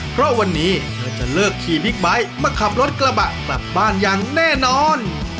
เพราะวันนี้เธอจะเลิกขี่บิ๊กไบท์มาขับรถกระบะกลับบ้านอย่างแน่นอน